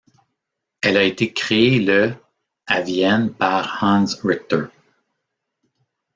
Elle a été créée le à Vienne par Hans Richter.